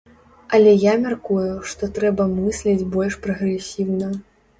Але я мяркую, што трэба мысліць больш прагрэсіўна.